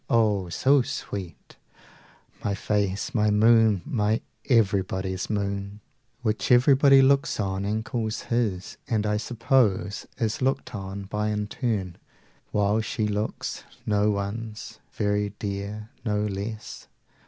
oh, so sweet My face, my moon, my everybody's moon, Which everybody looks on and calls his, 30 And, I suppose, is looked on by in turn, While she looks no one's: very dear, no less.